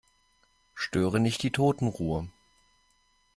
Störe nicht die Totenruhe.